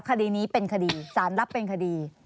คดีนี้เป็นคดีสารรับเป็นคดี